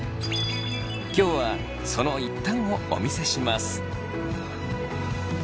今日はその一端をお見せします。